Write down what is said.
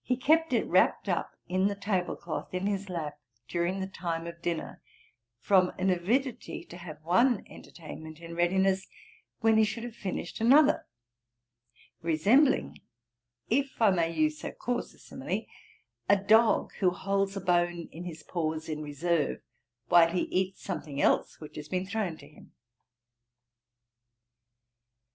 He kept it wrapt up in the tablecloth in his lap during the time of dinner, from an avidity to have one entertainment in readiness when he should have finished another; resembling (if I may use so coarse a simile) a dog who holds a bone in his paws in reserve, while he eats something else which has been thrown to him.